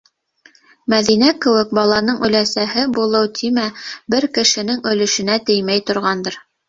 Мәҙинә кеүек баланың өләсәһе булыу тимә бер кешенең өлөшөнә теймәй торғандыр!